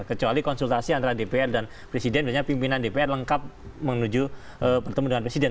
kecuali konsultasi antara dpr dan presiden biasanya pimpinan dpr lengkap menuju bertemu dengan presiden